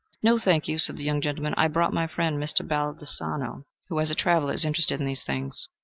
"No, thank you," said the young gentleman. "I brought my friend, Mr. Baldassano, who, as a traveler, is interested in these things."